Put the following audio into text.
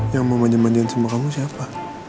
yang mau manja manjain sama kamu siapa